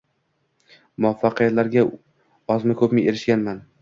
Muvaffaqiyatlarga ozmi-koʻpmi erishganman